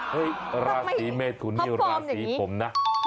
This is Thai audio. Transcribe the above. เฮ่ยราศรีเมฑุร์นี่ราศรีผมนะ